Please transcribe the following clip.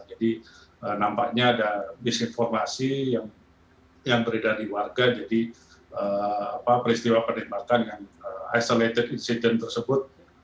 jadi nampaknya ada disinformasi yang beredar di warga jadi peristiwa penembakan isolated incident tersebut